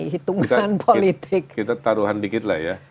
bukan politik kita taruhan dikit lah ya